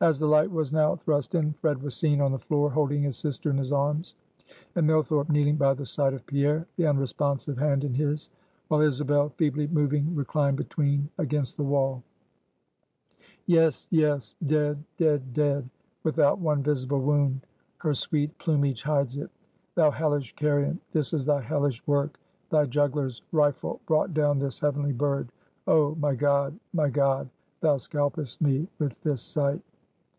As the light was now thrust in, Fred was seen on the floor holding his sister in his arms; and Millthorpe kneeling by the side of Pierre, the unresponsive hand in his; while Isabel, feebly moving, reclined between, against the wall. "Yes! Yes! Dead! Dead! Dead! without one visible wound her sweet plumage hides it. Thou hellish carrion, this is thy hellish work! Thy juggler's rifle brought down this heavenly bird! Oh, my God, my God! Thou scalpest me with this sight!"